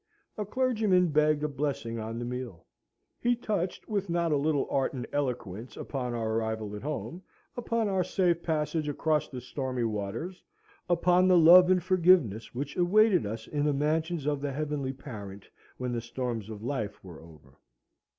A clergyman begged a blessing on the meal. He touched with not a little art and eloquence upon our arrival at home, upon our safe passage across the stormy waters, upon the love and forgiveness which awaited us in the mansions of the Heavenly Parent when the storms of life were over.